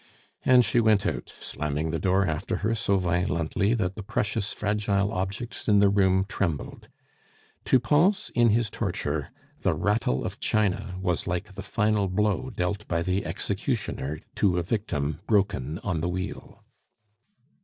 And she went out, slamming the door after her so violently that the precious, fragile objects in the room trembled. To Pons in his torture, the rattle of china was like the final blow dealt by the executioner to a victim broken on the wheel.